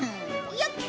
よっ！